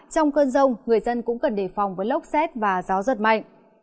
trong cơn rông người dân cũng cần đề phòng với lốc xét và gió giật mạnh